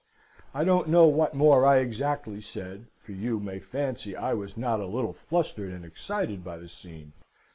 I don't know what more I exactly said, for you may fancy I was not a little flustered and excited by the scene.